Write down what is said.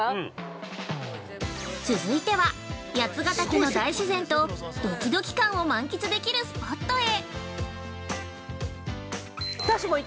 ◆続いては、八ヶ岳の大自然とどきどき感を満喫できるスポットへ。